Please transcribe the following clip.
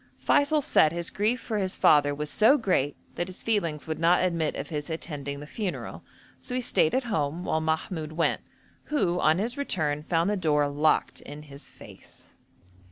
Feysul said his grief for his father was so great that his feelings would not admit of his attending the funeral, so he stayed at home while Mahmoud went, who on his return found the door locked in his face.